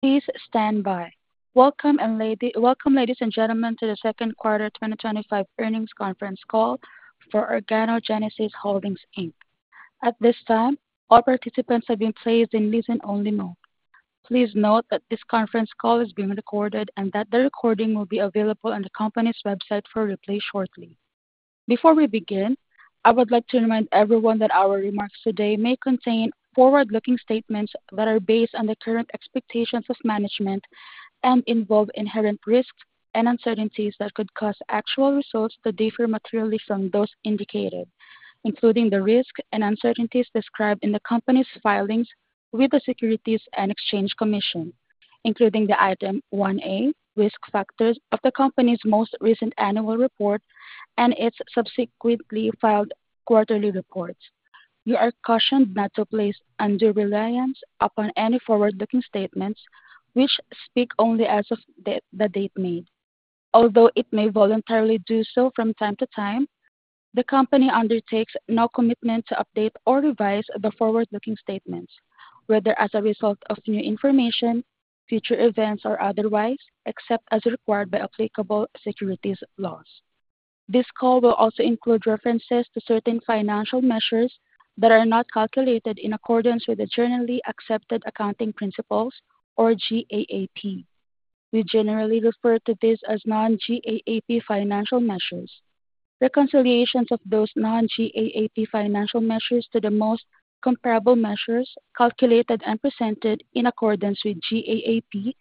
Please stand by. Welcome, and ladies and gentlemen, to the second part of the 2025 earnings conference call for Organogenesis Holdings Inc. At this time, all participants have been placed in listen-only mode. Please note that this conference call is being recorded and that the recording will be available on the company's website for replay shortly. Before we begin, I would like to remind everyone that our remarks today may contain forward-looking statements that are based on the current expectations of management and involve inherent risks and uncertainties that could cause actual results to differ materially from those indicated, including the risks and uncertainties described in the company's filings with the Securities and Exchange Commission, including the Item 1A, Risk Factors of the company's most recent annual report and its subsequently filed quarterly reports. You are cautioned not to place undue reliance upon any forward-looking statements which speak only as of the date made. Although it may voluntarily do so from time to time, the company undertakes no commitment to update or revise the forward-looking statements, whether as a result of new information, future events, or otherwise, except as required by applicable securities laws. This call will also include references to certain financial measures that are not calculated in accordance with the Generally Accepted Accounting Principles, or GAAP. We generally refer to this as non-GAAP financial measures. Reconciliations of those non-GAAP financial measures to the most comparable measures calculated and presented in accordance with GAAP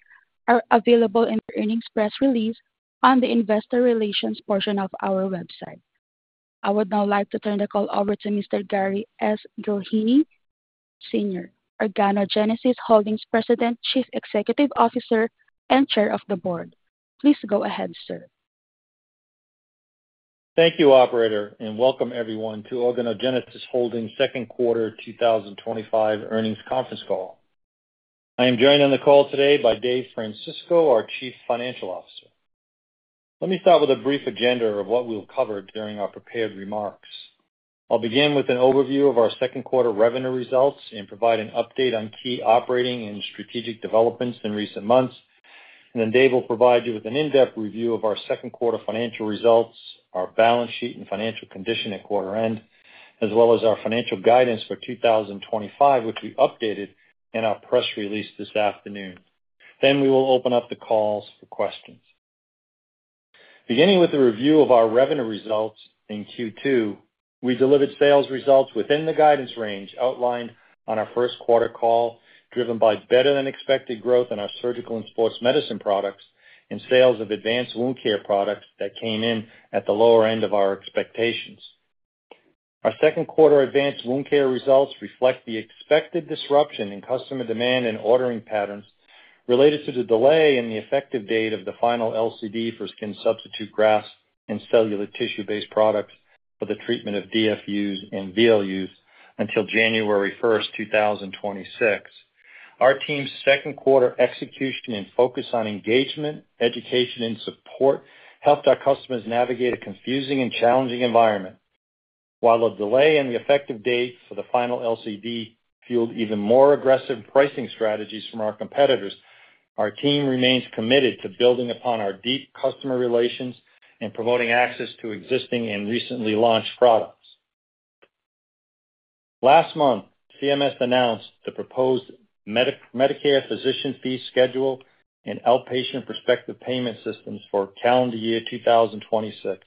are available in the earnings press release on the Investor Relations portion of our website. I would now like to turn the call over to Mr. Gary S. Gillheeney, Sr., Organogenesis Holdings' President, Chief Executive Officer, and Chair of the Board. Please go ahead, sir. Thank you, Operator, and welcome everyone to Organogenesis Holdings' second quarter 2025 earnings conference call. I am joined on the call today by Dave Francisco, our Chief Financial Officer. Let me start with a brief agenda of what we'll cover during our prepared remarks. I'll begin with an overview of our second quarter revenue results and provide an update on key operating and strategic developments in recent months. Dave will provide you with an in-depth review of our second quarter financial results, our balance sheet, and financial condition at quarter end, as well as our financial guidance for 2025, which we updated in our press release this afternoon. We will open up the calls for questions. Beginning with the review of our revenue results in Q2, we delivered sales results within the guidance range outlined on our first quarter call, driven by better-than-expected growth in our surgical and sports medicine products and sales of advanced wound care products that came in at the lower end of our expectations. Our second quarter advanced wound care results reflect the expected disruption in customer demand and ordering patterns related to the delay in the effective date of the final LCD for skin substitute grafts and cellular tissue-based products for the treatment of DFUs and VLUs until January 1st, 2026. Our team's second quarter execution and focus on engagement, education, and support helped our customers navigate a confusing and challenging environment. While a delay in the effective date for the final LCD fueled even more aggressive pricing strategies from our competitors, our team remains committed to building upon our deep customer relations and promoting access to existing and recently launched products. Last month, CMS announced the proposed Medicare physician fee schedule and outpatient prospective payment systems for calendar year 2026.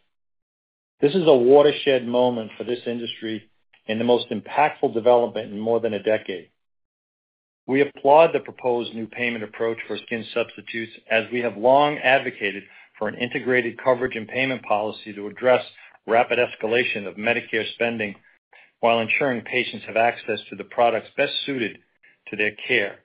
This is a watershed moment for this industry and the most impactful development in more than a decade. We applaud the proposed new payment approach for skin substitutes, as we have long advocated for an integrated coverage and payment policy to address rapid escalation of Medicare spending while ensuring patients have access to the products best suited to their care.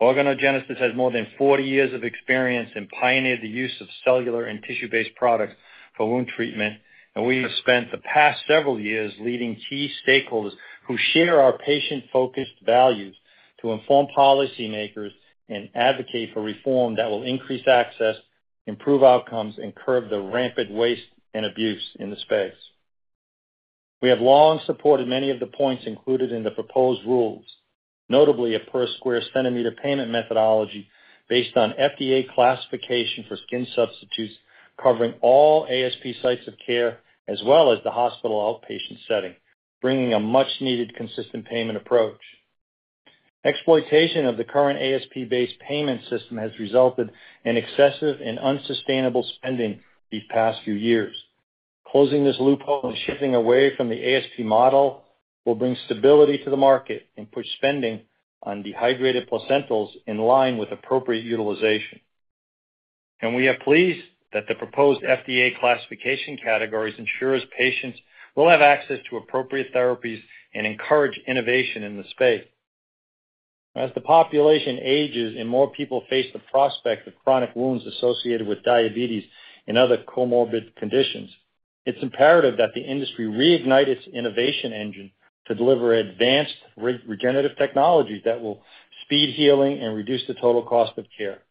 Organogenesis has more than 40 years of experience and pioneered the use of cellular and tissue-based products for wound treatment, and we have spent the past several years leading key stakeholders who share our patient-focused values to inform policymakers and advocate for reform that will increase access, improve outcomes, and curb the rampant waste and abuse in the space. We have long supported many of the points included in the proposed rules, notably a per square centimeter payment methodology based on FDA classification for skin substitutes, covering all ASP sites of care as well as the hospital outpatient setting, bringing a much-needed consistent payment approach. Exploitation of the current ASP-based payment system has resulted in excessive and unsustainable spending the past few years. Closing this loophole and shifting away from the ASP model will bring stability to the market and push spending on dehydrated placentals in line with appropriate utilization. We are pleased that the proposed FDA classification categories ensure patients will have access to appropriate therapies and encourage innovation in the space. As the population ages and more people face the prospect of chronic wounds associated with diabetes and other comorbid conditions, it's imperative that the industry reignite its innovation engine to deliver advanced regenerative technologies that will speed healing and reduce the total cost of care.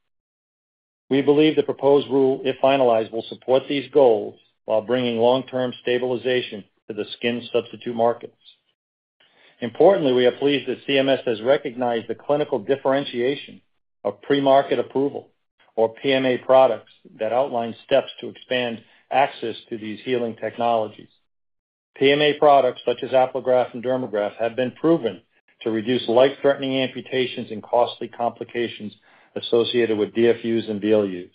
We believe the proposed rule, if finalized, will support these goals while bringing long-term stabilization to the skin substitute markets. Importantly, we are pleased that CMS has recognized the clinical differentiation of pre-market approval, or PMA, products that outline steps to expand access to these healing technologies. PMA products such as Apligraf and Dermagraft have been proven to reduce life-threatening amputations and costly complications associated with DFUs and VLUs.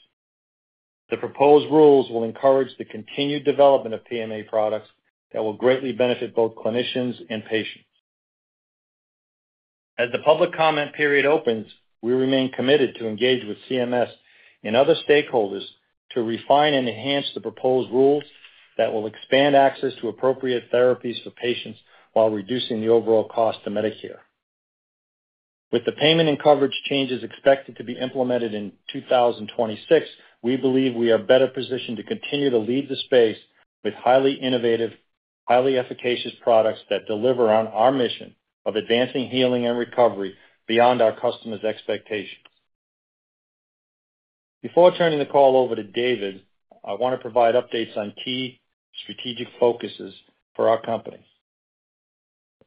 The proposed rules will encourage the continued development of PMA products that will greatly benefit both clinicians and patients. As the public comment period opens, we remain committed to engage with CMS and other stakeholders to refine and enhance the proposed rules that will expand access to appropriate therapies for patients while reducing the overall cost of Medicare. With the payment and coverage changes expected to be implemented in 2026, we believe we are better positioned to continue to lead the space with highly innovative, highly efficacious products that deliver on our mission of advancing healing and recovery beyond our customers' expectations. Before turning the call over to Daid, I want to provide updates on key strategic focuses for our company.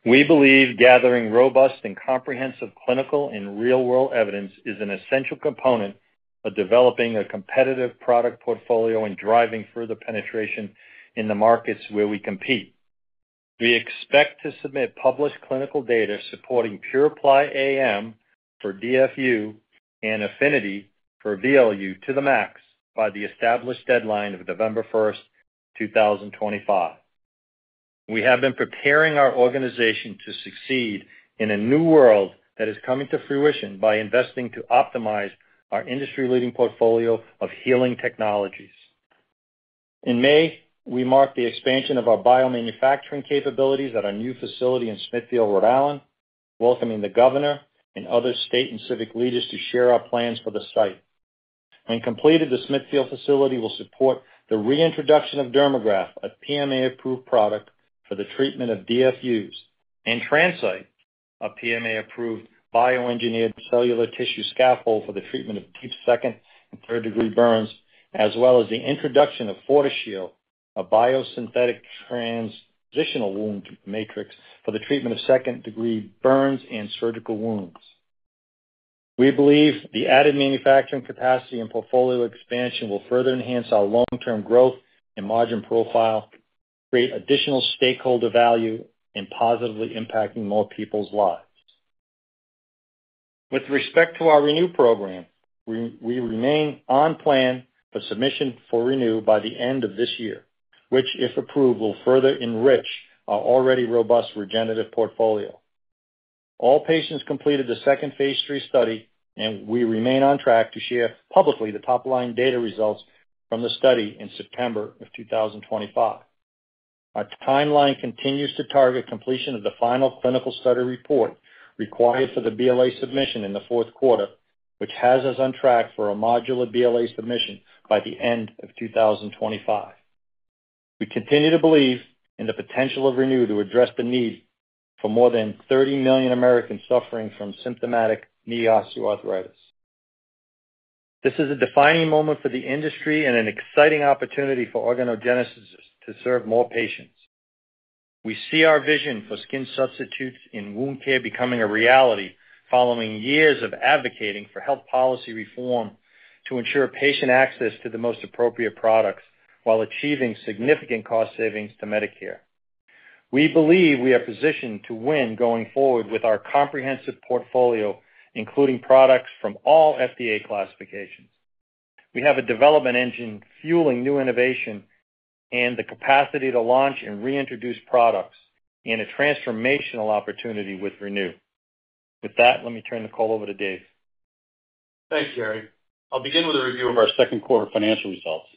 We believe gathering robust and comprehensive clinical and real-world evidence is an essential component of developing a competitive product portfolio and driving further penetration in the markets where we compete. We expect to submit published clinical data supporting PurePly AM for DFU and Affinity for VLU to the max by the established deadline of November 1st, 2025. We have been preparing our organization to succeed in a new world that is coming to fruition by investing to optimize our industry-leading portfolio of healing technologies. In May, we marked the expansion of our biomanufacturing capabilities at our new facility in Smithfield, Rhode Island, welcoming the governor and other state and civic leaders to share our plans for the site. When completed, the Smithfield facility will support the reintroduction of Dermagraft, a PMA-approved product for the treatment of DFUs, and Transcyte, a PMA-approved bioengineered cellular tissue scaffold for the treatment of deep second and third-degree burns, as well as the introduction of Photoshield, a biosynthetic transitional wound matrix for the treatment of second-degree burns and surgical wounds. We believe the added manufacturing capacity and portfolio expansion will further enhance our long-term growth and margin profile, create additional stakeholder value, and positively impact more people's lives. With respect to our Renew program, we remain on plan for submission for Renew by the end of this year, which, if approved, will further enrich our already robust regenerative portfolio. All patients completed the second phase 3 study, and we remain on track to share publicly the top-line data results from the study in September 2025. Our timeline continues to target completion of the final clinical study report required for the BLA submission in the fourth quarter, which has us on track for a modular BLA submission by the end of 2025. We continue to believe in the potential of Renew to address the need for more than 30 million Americans suffering from symptomatic knee osteoarthritis. This is a defining moment for the industry and an exciting opportunity for Organogenesis to serve more patients. We see our vision for skin substitutes in wound care becoming a reality following years of advocating for health policy reform to ensure patient access to the most appropriate products while achieving significant cost savings to Medicare. We believe we are positioned to win going forward with our comprehensive portfolio, including products from all FDA classifications. We have a development engine fueling new innovation and the capacity to launch and reintroduce products in a transformational opportunity with Renew. With that, let me turn the call over to Dave. Thanks, Gary. I'll begin with a review of our second quarter financial results.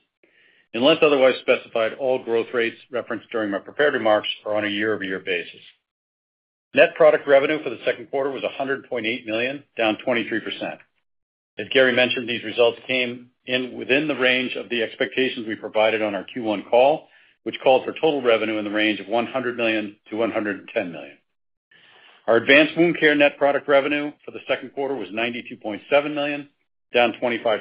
Unless otherwise specified, all growth rates referenced during my prepared remarks are on a year-over-year basis. Net product revenue for the second quarter was $100.8 million, down 23%. As Gary mentioned, these results came in within the range of the expectations we provided on our Q1 call, which calls for total revenue in the range of $100 million-$110 million. Our advanced wound care net product revenue for the second quarter was $92.7 million, down 25%.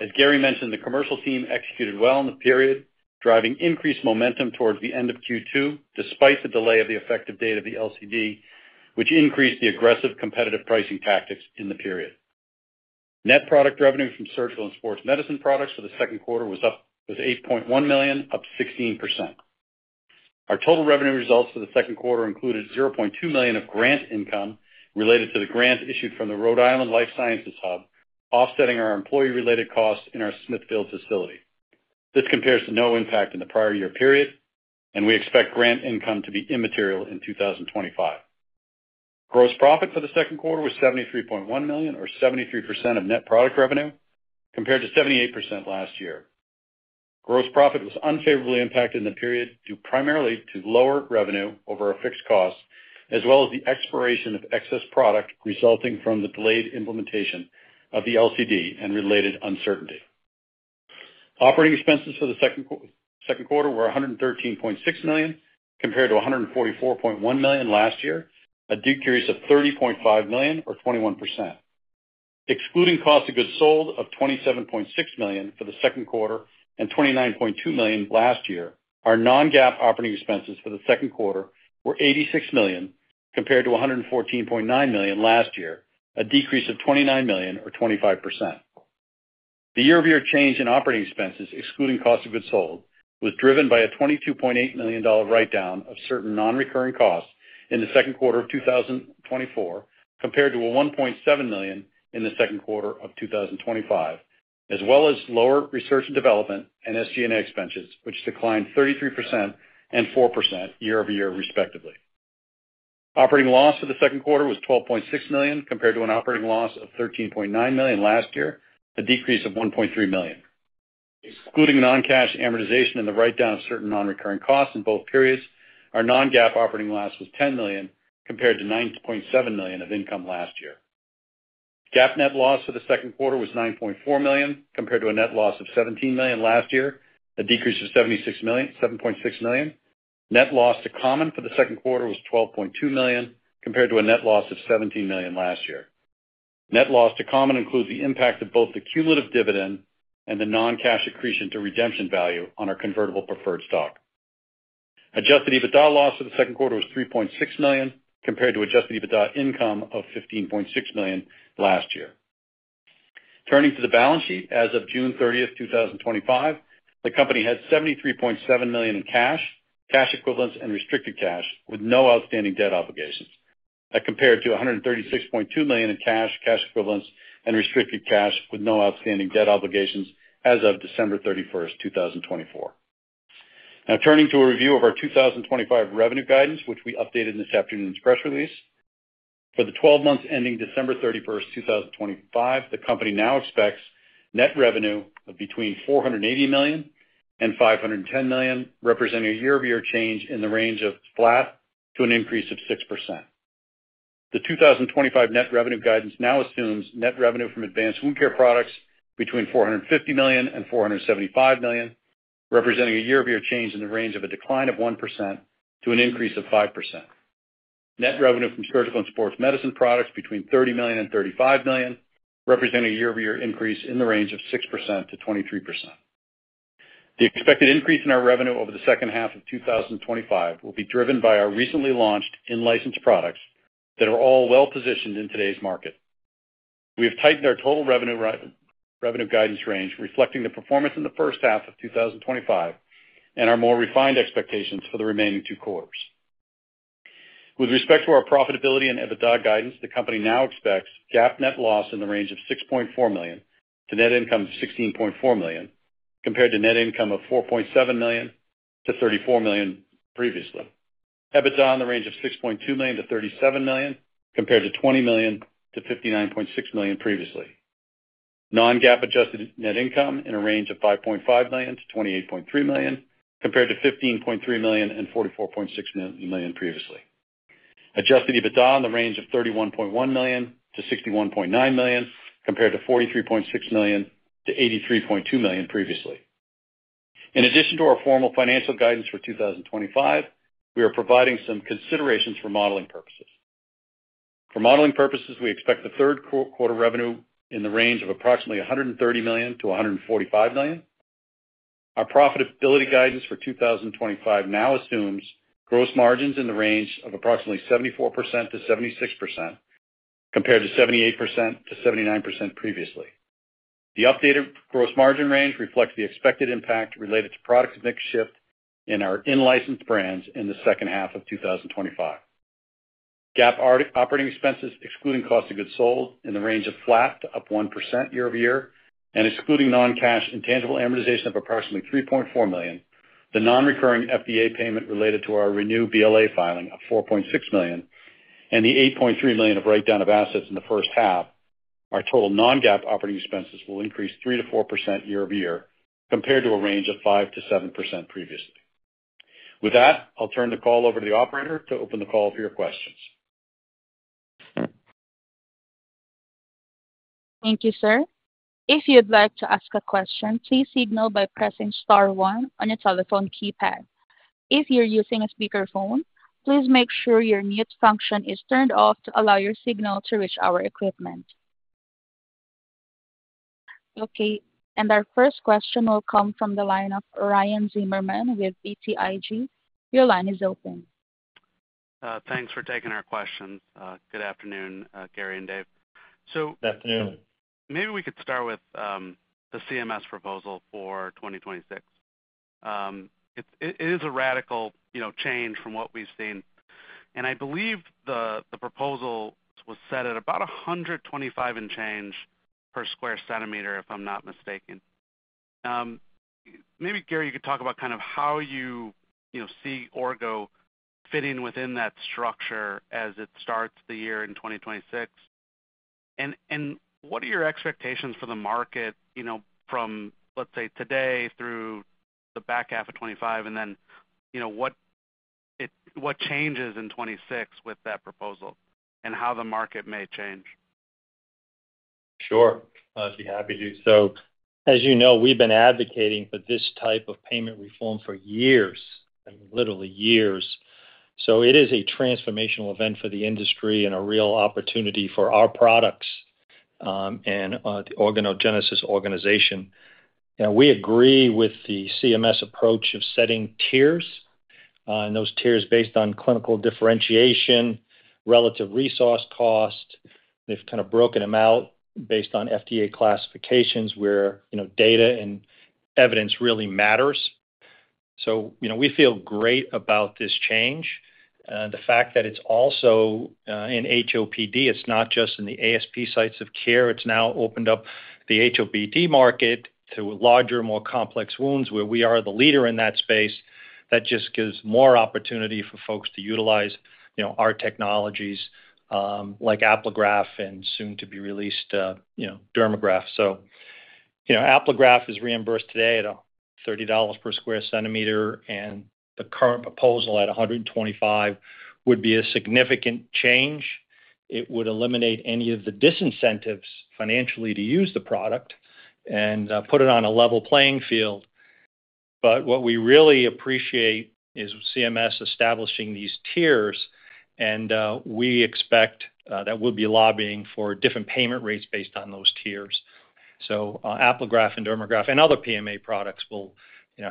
As Gary mentioned, the commercial team executed well in the period, driving increased momentum towards the end of Q2 despite the delay of the effective date of the LCD, which increased the aggressive competitive pricing tactics in the period. Net product revenue from surgical and sports medicine products for the second quarter was $8.1 million, up 16%. Our total revenue results for the second quarter included $0.2 million of grant income related to the grant issued from the Rhode Island Life Sciences Hub, offsetting our employee-related costs in our Smithfield facility. This compares to no impact in the prior year period, and we expect grant income to be immaterial in 2025. Gross profit for the second quarter was $73.1 million, or 73% of net product revenue, compared to 78% last year. Gross profit was unfavorably impacted in the period due primarily to lower revenue over a fixed cost, as well as the expiration of excess product resulting from the delayed implementation of the LCD and related uncertainty. Operating expenses for the second quarter were $113.6 million, compared to $144.1 million last year, a decrease of $30.5 million, or 21%. Excluding cost of goods sold of $27.6 million for the second quarter and $29.2 million last year, our non-GAAP operating expenses for the second quarter were $86 million, compared to $114.9 million last year, a decrease of $29 million, or 25%. The year-over-year change in operating expenses, excluding cost of goods sold, was driven by a $22.8 million write-down of certain non-recurring costs in the second quarter of 2024, compared to $1.7 million in the second quarter of 2025, as well as lower research and development and SG&A expenses, which declined 33% and 4% year-over-year, respectively. Operating loss for the second quarter was $12.6 million, compared to an operating loss of $13.9 million last year, a decrease of $1.3 million. Including non-cash amortization and the write-down of certain non-recurring costs in both periods, our non-GAAP operating loss was $10 million, compared to $9.7 million of income last year. GAAP net loss for the second quarter was $9.4 million, compared to a net loss of $17 million last year, a decrease of $7.6 million. Net loss to common for the second quarter was $12.2 million, compared to a net loss of $17 million last year. Net loss to common includes the impact of both the cumulative dividend and the non-cash accretion to redemption value on our convertible preferred stock. Adjusted EBITDA loss for the second quarter was $3.6 million, compared to adjusted EBITDA income of $15.6 million last year. Turning to the balance sheet, as of June 30th, 2025, the company had $73.7 million in cash, cash equivalents, and restricted cash, with no outstanding debt obligations. That compared to $136.2 million in cash, cash equivalents, and restricted cash, with no outstanding debt obligations as of December 31st, 2024. Now turning to a review of our 2025 revenue guidance, which we updated in this afternoon's press release. For the 12 months ending December 31, 2025, the company now expects net revenue of between $480 million and $510 million, representing a year-over-year change in the range of flat to an increase of 6%. The 2025 net revenue guidance now assumes net revenue from advanced wound care products between $450 million and $475 million, representing a year-over-year change in the range of a decline of 1% to an increase of 5%. Net revenue from surgical and sports medicine products between $30 million and $35 million, representing a year-over-year increase in the range of 6%-23%. The expected increase in our revenue over the second half of 2025 will be driven by our recently launched in-license products that are all well positioned in today's market. We have tightened our total revenue guidance range, reflecting the performance in the first half of 2025 and our more refined expectations for the remaining two quarters. With respect to our profitability and EBITDA guidance, the company now expects GAAP net loss in the range of $6.4 million to net income of $16.4 million, compared to net income of $4.7 million-$34 million previously. EBITDA in the range of $6.2 million-$37 million, compared to $20 million-$59.6 million previously. Non-GAAP adjusted net income in a range of $5.5 million-$28.3 million, compared to $15.3 million-$44.6 million previously. Adjusted EBITDA in the range of $31.1 million-$61.9 million, compared to $43.6 million-$83.2 million previously. In addition to our formal financial guidance for 2025, we are providing some considerations for modeling purposes. For modeling purposes, we expect the third quarter revenue in the range of approximately $130 million-$145 million. Our profitability guidance for 2025 now assumes gross margins in the range of approximately 74%-76%, compared to 78%-79% previously. The updated gross margin range reflects the expected impact related to product mix shift in our in-license brands in the second half of 2025. GAAP operating expenses, excluding cost of goods sold, in the range of flat to up 1% year-over-year, and excluding non-cash intangible amortization of approximately $3.4 million, the non-recurring FDA payment related to our Renew program BLA filing of $4.6 million, and the $8.3 million of write-down of assets in the first half, our total non-GAAP operating expenses will increase 3% to 4% year-over-year compared to a range of 5%-7% previously. With that, I'll turn the call over to the operator to open the call for your questions. Thank you, sir. If you'd like to ask a question, please signal by pressing star one on your telephone keypad. If you're using a speaker phone, please make sure your mute function is turned off to allow your signal to reach our equipment. Our first question will come from the line of Ryan Zimmerman with BTIG. Your line is open. Thanks for taking our question. Good afternoon, Gary and Dave. Good afternoon. Maybe we could start with the CMS proposal for 2026. It is a radical change from what we've seen. I believe the proposal was set at about $125 in change per square centimeter, if I'm not mistaken. Maybe, Gary, you could talk about kind of how you see Orgo fitting within that structure as it starts the year in 2026. What are your expectations for the market from, let's say, today through the back half of 2025? What changes in 2026 with that proposal and how the market may change? Sure. I'd be happy to do so. As you know, we've been advocating for this type of payment reform for years, I mean, literally years. It is a transformational event for the industry and a real opportunity for our products and the Organogenesis organization. We agree with the CMS approach of setting tiers, and those tiers are based on clinical differentiation and relative resource cost. They've kind of broken them out based on FDA classification where data and evidence really matter. We feel great about this change and the fact that it's also in HOPD. It's not just in the ASC sites of care. It's now opened up the HOPD market to larger, more complex wounds where we are the leader in that space. That just gives more opportunity for folks to utilize our technologies like Apligraf and soon-to-be released Dermagraft. Apligraf is reimbursed today at $30 per square centimeter, and the current proposal at $125 would be a significant change. It would eliminate any of the disincentives financially to use the product and put it on a level playing field. What we really appreciate is CMS establishing these tiers, and we expect that we'll be lobbying for different payment rates based on those tiers. Apligraf and Dermagraft and other PMA products will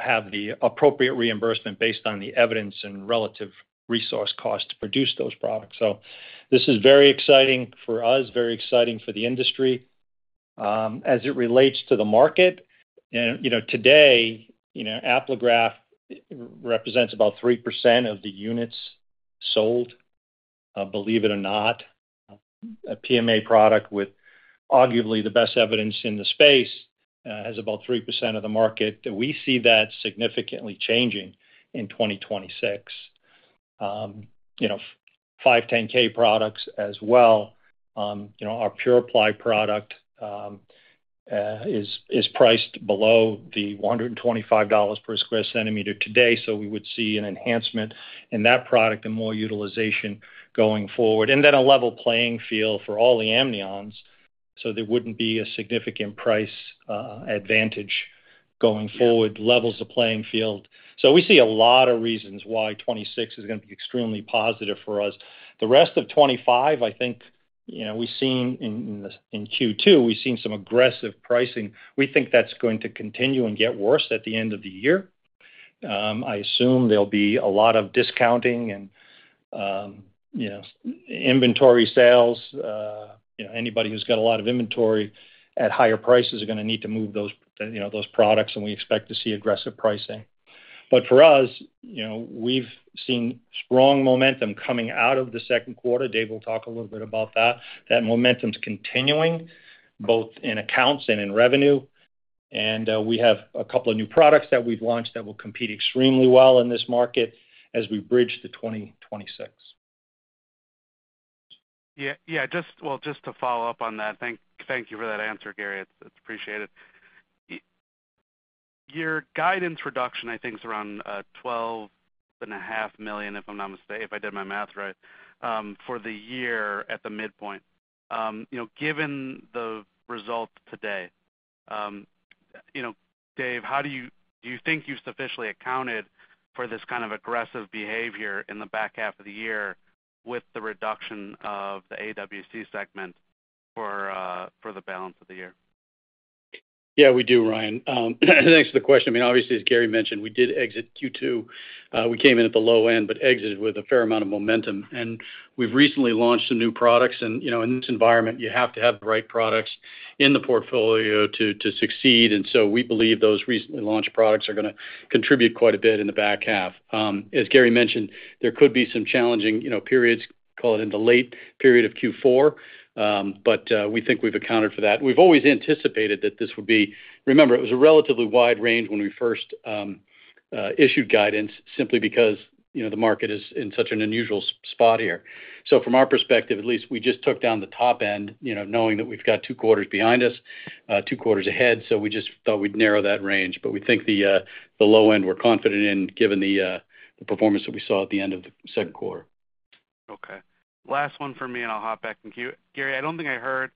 have the appropriate reimbursement based on the evidence and relative resource cost to produce those products. This is very exciting for us, very exciting for the industry as it relates to the market. Today, Apligraf represents about 3% of the units sold. Believe it or not, a PMA product with arguably the best evidence in the space has about 3% of the market. We see that significantly changing in 2026. 510(k) products as well. Our PurePly product is priced below the $125 per square centimeter today. We would see an enhancement in that product and more utilization going forward. Then a level playing field for all the amnions, so there wouldn't be a significant price advantage going forward, levels the playing field. We see a lot of reasons why 2026 is going to be extremely positive for us. The rest of 2025, I think we've seen in Q2, we've seen some aggressive pricing. We think that's going to continue and get worse at the end of the year. I assume there'll be a lot of discounting and inventory sales. Anybody who's got a lot of inventory at higher prices is going to need to move those products, and we expect to see aggressive pricing. For us, we've seen strong momentum coming out of the second quarter. Dave will talk a little bit about that. That momentum's continuing both in accounts and in revenue, and we have a couple of new products that we've launched that will compete extremely well in this market as we bridge the 2026. Yeah, just to follow up on that, thank you for that answer, Gary. It's appreciated. Your guidance reduction, I think, is around $12.5 million, if I'm not mistaken, if I did my math right, for the year at the midpoint. You know, given the result today, you know, Dave, how do you think you've sufficiently accounted for this kind of aggressive behavior in the back half of the year with the reduction of the AWC segment for the balance of the year? Yeah, we do, Ryan. Thanks for the question. Obviously, as Gary mentioned, we did exit Q2. We came in at the low end but exited with a fair amount of momentum. We've recently launched some new products. In this environment, you have to have the right products in the portfolio to succeed. We believe those recently launched products are going to contribute quite a bit in the back half. As Gary mentioned, there could be some challenging periods, call it in the late period of Q4. We think we've accounted for that. We've always anticipated that this would be, remember, it was a relatively wide range when we first issued guidance simply because the market is in such an unusual spot here. From our perspective, at least we just took down the top end, knowing that we've got two quarters behind us, two quarters ahead. We just thought we'd narrow that range. We think the low end we're confident in given the performance that we saw at the end of the second quarter. Okay. Last one from me, and I'll hop back in. Gary, I don't think I heard.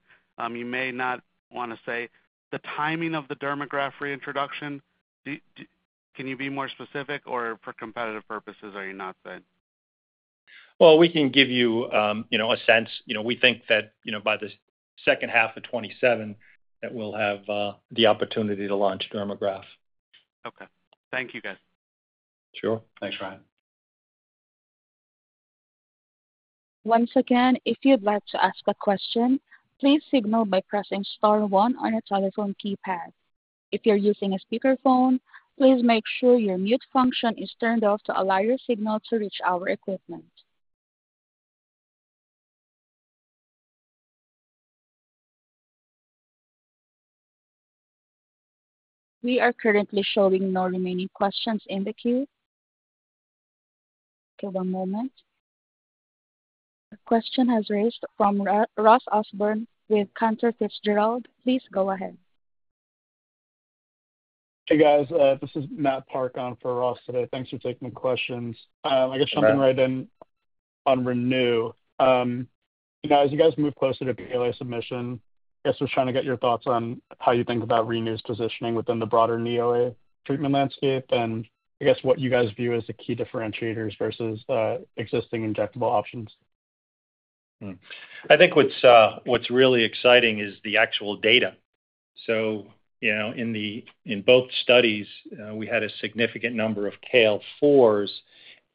You may not want to say the timing of the Dermagraft reintroduction. Can you be more specific or for competitive purposes or are you not saying? We can give you, you know, a sense. You know, we think that, you know, by the second half of 2027, that we'll have the opportunity to launch Dermagraft. Okay, thank you, guys. Sure. Thanks, Ryan. Once again, if you'd like to ask a question, please signal by pressing star one on your telephone keypad. If you're using a speaker phone, please make sure your mute function is turned off to allow your signal to reach our equipment. We are currently showing no remaining questions in the queue. Give a moment. A question has raised from Ross Osborn with Cantor Fitzgerald. Please go ahead. Hey, guys. This is Matt Park on for Ross today. Thanks for taking the questions. I guess jumping right in on Renew. As you guys move closer to the BLA submission, I guess I was trying to get your thoughts on how you think about Renew's positioning within the broader knee OA treatment landscape and what you guys view as the key differentiators versus existing injectable options. I think what's really exciting is the actual data. In both studies, we had a significant number of KL4s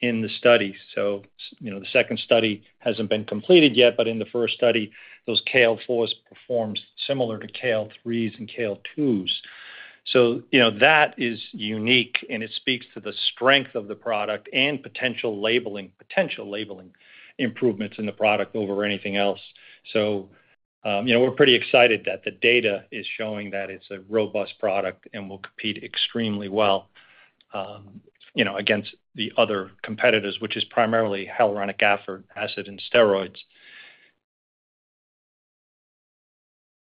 in the study. The second study hasn't been completed yet, but in the first study, those KL4s performed similar to KL3s and KL2s. That is unique, and it speaks to the strength of the product and potential labeling, potential labeling improvements in the product over anything else. We're pretty excited that the data is showing that it's a robust product and will compete extremely well against the other competitors, which is primarily hyaluronic acid and steroids.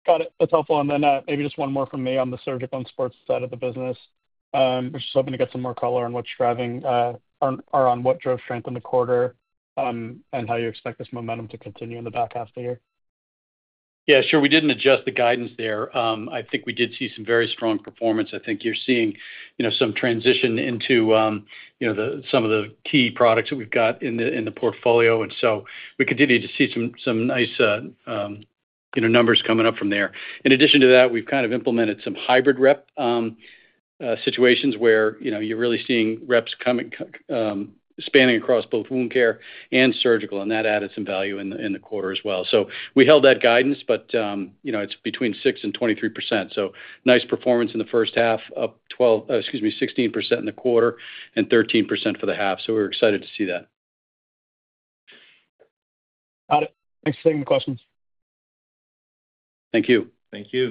Got it. That's helpful. Maybe just one more from me on the surgical and sports side of the business. We're just hoping to get some more color on what's driving or on what drove strength in the quarter and how you expect this momentum to continue in the back half of the year. Yeah, sure. We didn't adjust the guidance there. I think we did see some very strong performance. I think you're seeing some transition into some of the key products that we've got in the portfolio, and we continue to see some nice numbers coming up from there. In addition to that, we've implemented some hybrid rep situations where you're really seeing reps coming, spanning across both wound care and surgical, and that added some value in the quarter as well. We held that guidance, but it's between 6% and 23%. Nice performance in the first half, up 16% in the quarter and 13% for the half. We're excited to see that. Got it. Thanks for taking the questions. Thank you. Thank you.